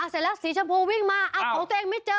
เสร็จแล้วสีชมพูวิ่งมาเอาของตัวเองไม่เจอ